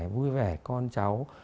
vui vẻ con cháu